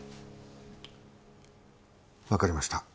わかりました。